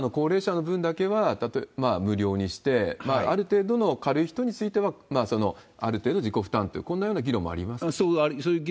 例えば高齢者の分だけは無料にして、ある程度の軽い人については、ある程度自己負担とこんなような議論もありますか？